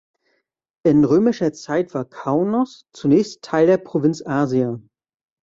In römischer Zeit war Kaunos zunächst Teil der Provinz Asia.